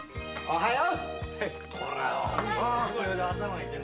おはよう。